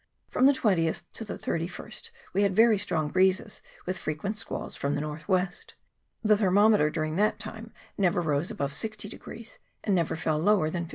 From the 20th to the 31st we had very strong breezes with frequent squalls from the N.W. The thermometer during that time never rose above 60, and never fell lower than 56.